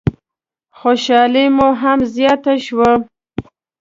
خوشحالي مو هم زیاته شوه.